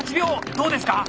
どうですか？